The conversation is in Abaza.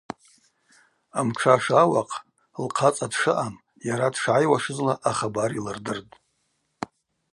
Амтшаша ауахъ лхъацӏа дшаъам, йара дшгӏайуашызла ахабар йлырдыртӏ.